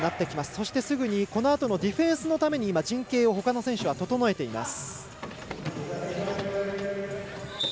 そして、すぐにこのあとのディフェンスのために陣形をほかの選手は整えています。